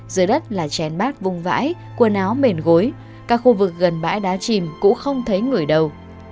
dưới đất là chén bát vung vãi quần áo mền gối các khu vực gần bãi đá chìm cũng không thấy người đâu